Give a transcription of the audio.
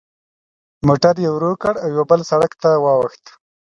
موټر یې ورو کړ او یوه بل سړک ته واوښت.